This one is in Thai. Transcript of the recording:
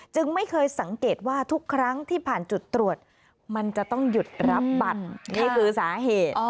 ไม่เคยสังเกตว่าทุกครั้งที่ผ่านจุดตรวจมันจะต้องหยุดรับบัตรนี่คือสาเหตุ